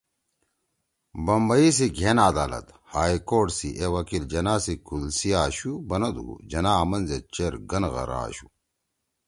بمبئی سی گھین عدالت )ہائی کورٹ( سی اے وکیل جناح سی کُل سی آشُو بنَدُو جناح آمن زید چیر گن غَرا آشُو